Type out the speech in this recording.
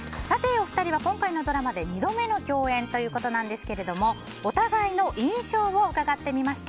お二人は今回のドラマで２度目の共演ということなんですけれどもお互いの印象を伺ってみました。